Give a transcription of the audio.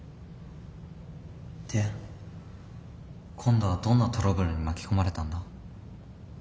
で今度はどんなトラブルに巻き込まれたんだ？